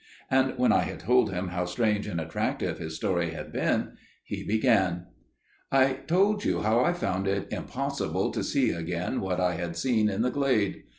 And when I had told him how strange and attractive his story had been, he began. "I told you how I found it impossible to see again what I had seen in the glade.